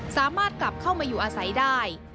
สามารถกลับเข้ามาอยู่อาศัยได้